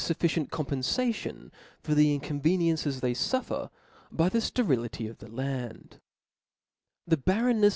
fufficient compenfation for tlie inconveniences they fuffer by the fterility of the land The barrenness